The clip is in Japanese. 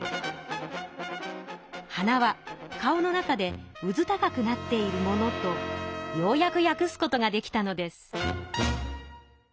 「鼻は顔の中でうず高くなっているもの」とようやくやくすことができたのです。